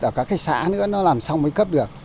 ở các cái xã nữa nó làm xong mới cấp được